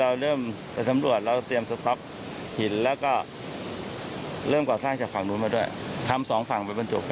ไม่ใช่ก็ใกล้เคียง